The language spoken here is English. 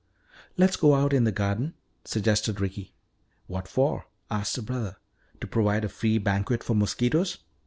"Let's go out in the garden," suggested Ricky. "What for?" asked her brother. "To provide a free banquet for mosquitoes?